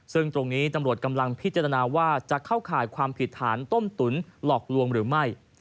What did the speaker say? ซึ่งตรงนี้ตำรวจกำลังพิจารณาว่าจะเข้าข่ายความผิดฐานต้มตุ๋นหลอกลวงหรือไม่